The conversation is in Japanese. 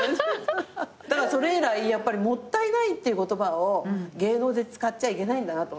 だからそれ以来もったいないっていう言葉を芸能で使っちゃいけないんだなと思った。